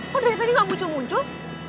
kok dari tadi nggak muncul muncul